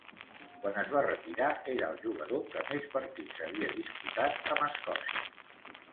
Quan es va retirar, era el jugador que més partits havia disputat amb Escòcia.